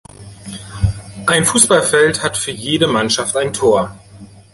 Ein Fußballfeld hat für jede Mannschaft ein Tor.